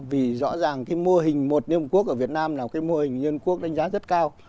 vì rõ ràng cái mô hình một liên hợp quốc ở việt nam là cái mô hình liên quốc đánh giá rất cao